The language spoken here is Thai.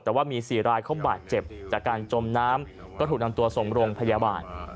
แต่ว่ามี๔รายเขาบาดเจ็บจากการจมน้ำก็ถูกนำตัวส่งโรงพยาบาล